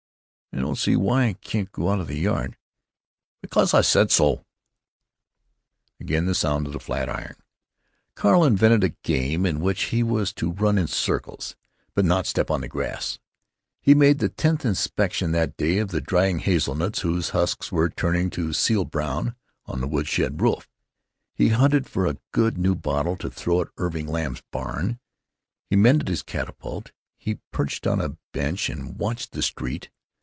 "I don't see why I can't go outa the yard!" "Because I said so." Again the sound of the sad iron. Carl invented a game in which he was to run in circles, but not step on the grass; he made the tenth inspection that day of the drying hazelnuts whose husks were turning to seal brown on the woodshed roof; he hunted for a good new bottle to throw at Irving Lamb's barn; he mended his sling shot; he perched on a sawbuck and watched the street.